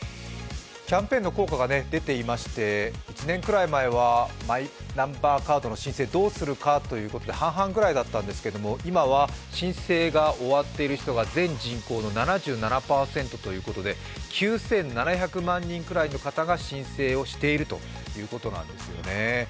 キャンペーンの効果が出ていまして、１年くらい前はマイナンバーカードの申請どうするかということで半々くらいだったんですけれども、今は申請が終わっている人が全人口の７７％ということで９７００万人くらいの方が申請をしているということなんですよね。